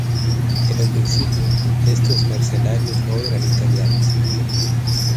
En un principio, estos mercenarios no eran italianos.